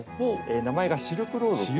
名前が「シルクロード」っていう。